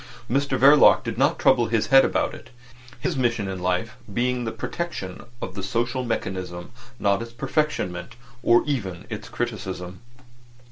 Mr Verloc did not trouble his head about it, his mission in life being the protection of the social mechanism, not its perfectionment or even its criticism.